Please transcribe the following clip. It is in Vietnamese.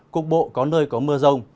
cục bộ có nơi có mưa rông